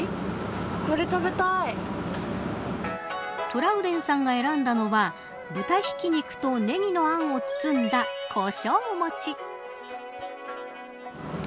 トラウデンさんが選んだのは豚ひき肉とネギのあんを包んだ胡椒餅。